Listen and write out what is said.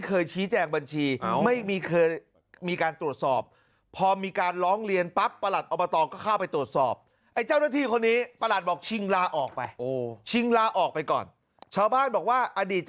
พอเสียชีวิตปั๊บมันเหมือนกับการออมชาวบ้านกิจ